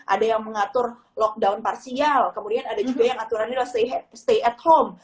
ada yang mengatur lockdown parsial kemudian ada juga yang aturannya adalah stay at home